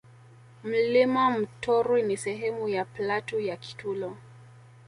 Mlima Mtorwi ni sehemu ya platu ya Kitulo